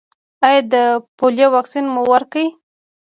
ایا د پولیو واکسین مو ورکړی؟